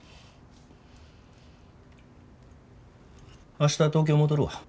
明日東京戻るわ。